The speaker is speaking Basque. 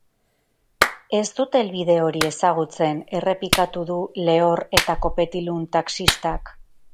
Ez dut helbide hori ezagutzen, errepikatu du lehor eta kopetilun taxistak.